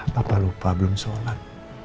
papa lupa belum sholat